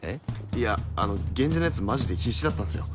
いやゲンジのヤツマジで必死だったんすよ